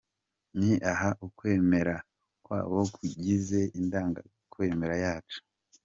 Ni aha ukwemera kwabo kugize “ Indangakwemera yacu ”.